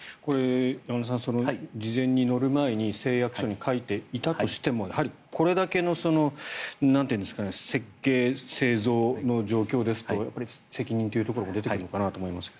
山田さん、事前に乗る前に誓約書に書いていたとしてもこれだけの設計、製造の状況ですと責任というところが出てくるのかなと思いますが。